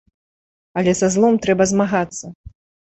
Але са злом трэба змагацца!